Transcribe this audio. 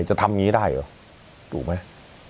จะทำงี้ได้หรอถูกไหม